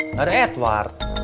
nggak ada edward